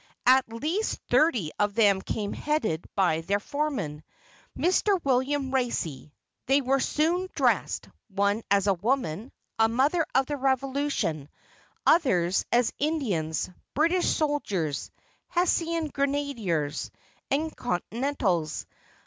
At least thirty of them came headed by their foreman, Mr. William Racey. They were soon dressed, one as a woman, a mother of the Revolution; others as Indians, British soldiers, Hessian grenadiers, and Continentals.